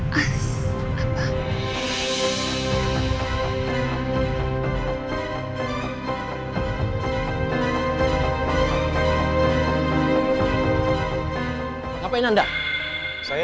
kenapa ada apa